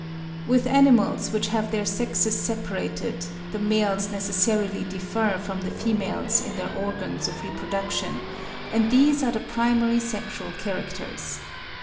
With animals which have their sexes separated, the males necessarily differ from the females in their organs of reproduction; and these are the primary sexual characters.